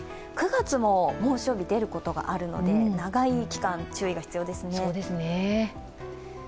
９月も猛暑日出ることがあるので長い期間、注意が必要ですね。